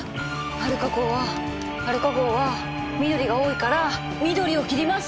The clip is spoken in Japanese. アルカ号はアルカ号は緑が多いから緑を切ります！